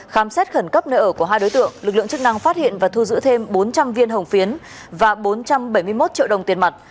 khám xét khẩn cấp nơi ở của hai đối tượng lực lượng chức năng phát hiện và thu giữ thêm bốn trăm linh viên hồng phiến và bốn trăm bảy mươi một triệu đồng tiền mặt